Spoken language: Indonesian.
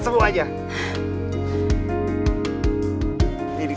sekarang aku sudah merasa frying